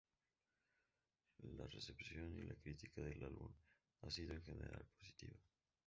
La recepción y la crítica del álbum ha sido en general positiva.